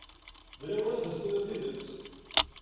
D lawan ad as-tiniḍ tidet.